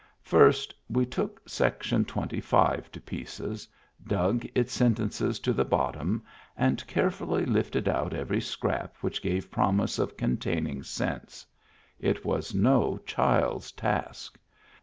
First we took sec tion 25 to pieces, dug its sentences to the bottom, and carefully lifted out every scrap which gave promise of containing sense. It was no child's task.